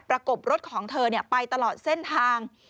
กบรถของเธอไปตลอดเส้นทาง